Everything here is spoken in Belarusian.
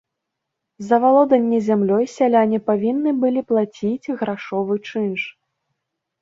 За валоданне зямлёй сяляне павінны былі плаціць грашовы чынш.